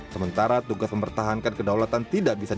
sementara tugas mempertahankan kedaulatan tidak bisa